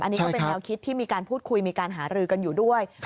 อันนี้ก็เป็นแนวคิดที่มีการพูดคุยมีการหารือกันอยู่ด้วย